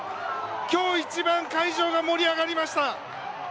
今日一番会場が盛り上がりました。